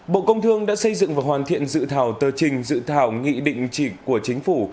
bộ công thương đã xây dựng và hoàn thiện dự thảo tờ trình dự thảo nghị định chỉ của chính phủ